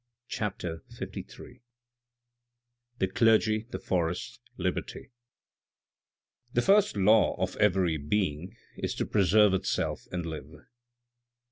CHAPTER LIII THE CLERGY, THE FORESTS, LIBERTY The first law of every being, is lo preserve itself and live.